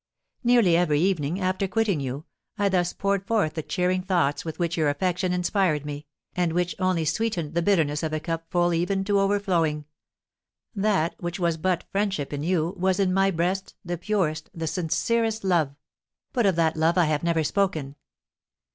Nearly every evening, after quitting you, I thus poured forth the cheering thoughts with which your affection inspired me, and which only sweetened the bitterness of a cup full even to overflowing. That which was but friendship in you, was, in my breast, the purest, the sincerest love; but of that love I have never spoken.